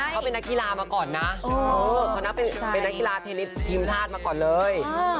เขาเป็นนักกีฬามาก่อนนะเขานับเป็นนักกีฬาเทนนิสทีมชาติมาก่อนเลย